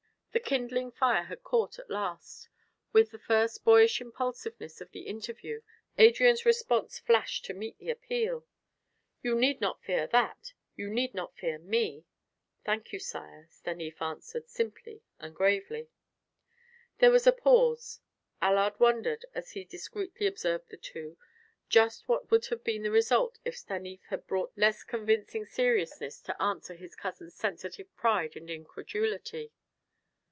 The kindling fire had caught, at last; with the first boyish impulsiveness of the interview Adrian's response flashed to meet the appeal. "You need not fear that! You need not fear me." "Thank you, sire," Stanief answered, simply and gravely. There was a pause. Allard wondered, as he discreetly observed the two, just what would have been the result if Stanief had brought less convincing seriousness to answer his cousin's sensitive pride and incredulity.